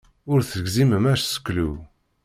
Ur tegzimem aseklu.